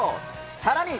さらに。